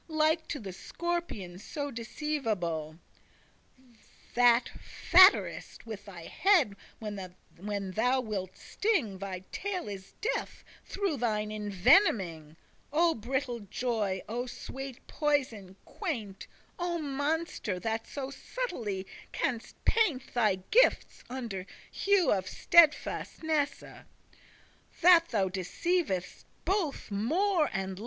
Like to the scorpion so deceivable,* *deceitful That fhatt'rest with thy head when thou wilt sting; Thy tail is death, through thine envenoming. O brittle joy! O sweete poison quaint!* *strange O monster, that so subtilly canst paint Thy giftes, under hue of steadfastness, That thou deceivest bothe *more and less!